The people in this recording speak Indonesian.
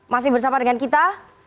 masih bersama dengan kita